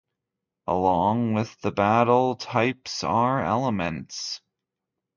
Along with the battle types are elements.